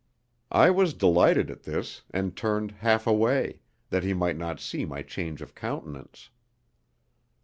I was delighted at this, and turned half away, that he might not see my change of countenance.